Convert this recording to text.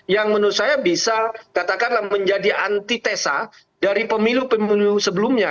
yang menurut saya bisa katakanlah menjadi antitesa dari pemilu pemilu sebelumnya